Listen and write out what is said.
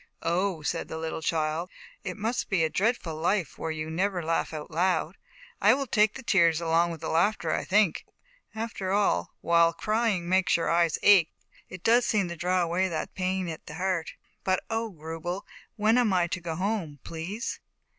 "Oh?" said the little child, "It must be a dreadful life, where you never laugh out loud. I will take the tears along with the laughter, I think, and after all, while crying makes your eyes ache it does seem to draw away that I ZAUBERL1NDA, THE WISE WITCH. pain r at the heart. But, oh! Grubel, when am I to go home, please?"